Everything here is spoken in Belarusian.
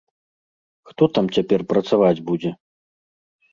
Хто там цяпер працаваць будзе?